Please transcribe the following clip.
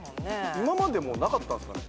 今までもなかったんすかね？